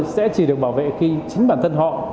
sẽ chỉ được bảo vệ khi chính bản thân họ